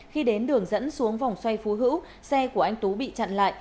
khi đến đường dẫn xuống vòng xoay phú hữu xe của anh tú bị chặn lại